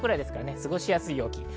過ごしやすい陽気です。